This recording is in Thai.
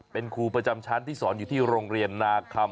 เป็นครูประจำชั้นที่สอนอยู่ที่โรงเรียนนาคำ